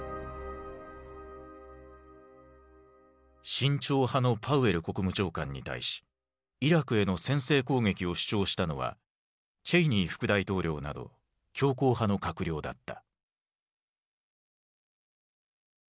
慎重派のパウエル国務長官に対しイラクへの先制攻撃を主張したのはチェイニー副大統領など強硬派の閣僚だった。